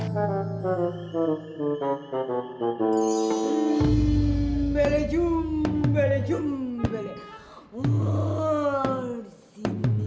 hha kamare yang begitu lipat